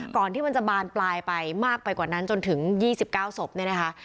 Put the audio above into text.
ที่มันจะบานปลายไปมากไปกว่านั้นจนถึง๒๙ศพเนี่ยนะคะ